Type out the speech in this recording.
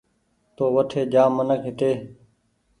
تو وٺي جآم منک هيتي